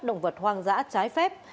động vật hoang dã trái phép